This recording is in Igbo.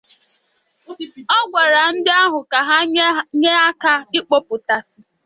Ọ gwakwara ndị ahụ ka ha nye aka ịkpọpụtasị